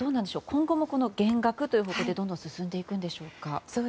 今後も減額ということでどんどん進んでいくんでしょうか。